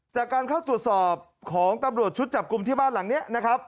จากการเข้าตรวจสอบของตำรวจชุดจับกลุ่มที่บ้านหลังนี้นะครับ